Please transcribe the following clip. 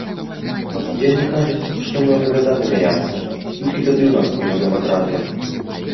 Яны кажуць, што мы абавязаны мяняцца, толькі тады ў нас будзе дэмакратыя.